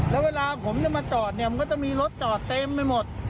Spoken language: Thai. และเวลาผมจะมาจอดต้องมีรถเต็มไปหมด